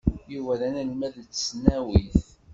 Yuba d anelmad n tesnawit.